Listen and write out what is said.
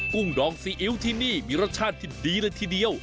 ุ้งดองซีอิ๊วที่นี่มีรสชาติที่ดีเลยทีเดียว